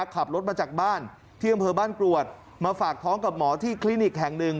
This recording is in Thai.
ขับรถมาจากบ้านที่อำเภอบ้านกรวดมาฝากท้องกับหมอที่คลินิกแห่งหนึ่ง